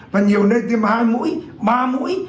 và nhiều nơi tiêm hai mũi ba mũi